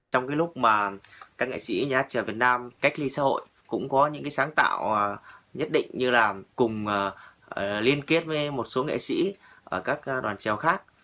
trong cái lúc mà các nghệ sĩ nhà hát trèo việt nam cách ly xã hội cũng có những cái sáng tạo nhất định như là cùng liên kết với một số nghệ sĩ ở các đoàn trèo khác